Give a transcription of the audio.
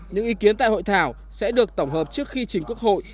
những ý kiến tại hội thảo sẽ được tổng hợp trước khi chính quốc hội